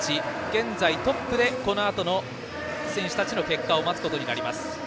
現在、トップでこのあとの選手たちの結果を待つことになります。